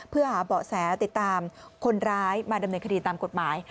เพื่อหาเบาะแสติดตามคนร้ายมาดำเนินคดีตามกฎหมาย